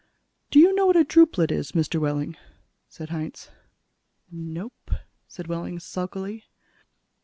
Do you know what a drupelet is, Mr. Wehling?" said Hitz. "Nope," said Wehling sulkily.